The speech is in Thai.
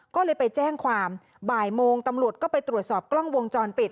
ก็เลยไปแจ้งความบ่ายโมงตำรวจก็ไปตรวจสอบกล้องวงจรปิด